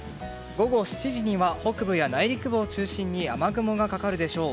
午後７時には北部や内陸部を中心に雨雲がかかるでしょう。